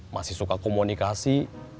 masih suka komunikasi